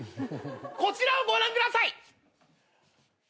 こちらをご覧ください。